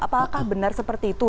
apakah benar seperti itu